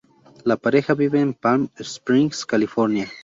La pareja vive en Palm Springs, California.